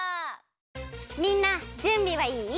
みんなじゅんびはいい？